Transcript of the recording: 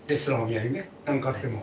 何かあっても。